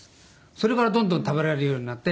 それからどんどん食べられるようになって。